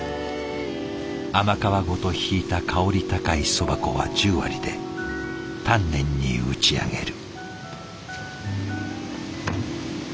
甘皮ごとひいた香り高いそば粉は十割で丹念に打ち上げる。